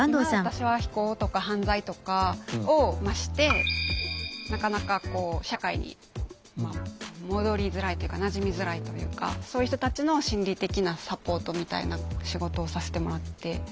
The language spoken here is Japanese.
今私は非行とか犯罪とかをしてなかなかこう社会に戻りづらいというかなじみづらいというかそういう人たちの心理的なサポートみたいな仕事をさせてもらって。